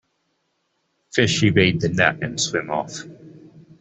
Fish evade the net and swim off.